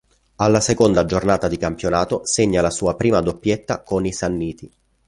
Alla seconda giornata di campionato segna la sua prima doppietta con i Sanniti.